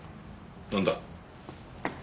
なんだ？